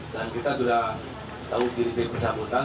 dan kita sudah tahu ciri ciri persahabatan